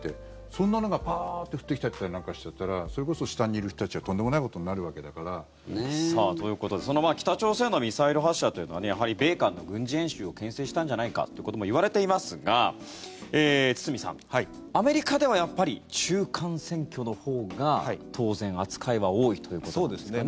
そんなのがパーッて降ってきたりなんかしちゃったらそれこそ下にいる人たちはとんでもないことになるわけだから。ということで北朝鮮のミサイル発射というのはやはり米韓の軍事演習をけん制したんじゃないかということもいわれていますが堤さん、アメリカではやっぱり中間選挙のほうが当然、扱いは多いということですね。